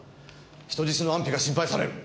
人質の安否が心配される。